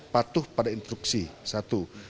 patuh pada instruksi satu